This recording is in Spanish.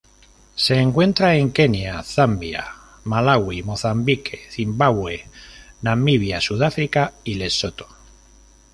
Se encuentra en Kenia Zambia, Malaui, Mozambique, Zimbabue, Namibia, Sudáfrica y Lesoto.